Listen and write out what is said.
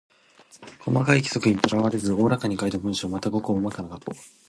細かい規則にとらわれず大らかに書いた文章。また、ごく大まかなこと。